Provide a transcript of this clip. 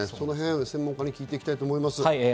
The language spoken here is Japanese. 専門家に聞いていきたいと思います。